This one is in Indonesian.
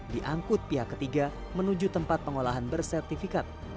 diangkut pihak ketiga menuju tempat pengolahan bersertifikat